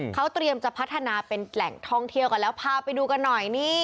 เขาเตรียมจะพัฒนาเป็นแหล่งท่องเที่ยวกันแล้วพาไปดูกันหน่อยนี่